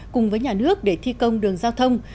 cùng với nhà nước để thi công đường giao thông